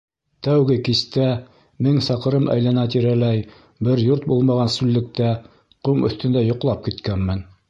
Тәүге кистә, мең саҡрым әйләнә тирәләй бер йорт булмаған сүллектә, ҡом өҫтөндә йоҡлап киткәнмен.